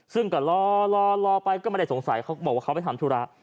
ซึ่งก็รอรอไปก็ไม่ได้สงสัยเขาบอกว่าเขาไปทำธุระ